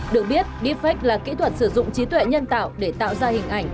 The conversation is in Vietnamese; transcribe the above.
được biết deepfake là kỹ thuật sử dụng trí tuệ nhân tạo để tạo ra hình ảnh